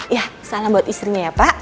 ya salam buat istrinya ya pak